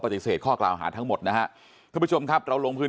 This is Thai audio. ปฏิเสธข้อกล่าวหาทั้งหมดนะครับคุณผู้ชมครับเราลงพื้น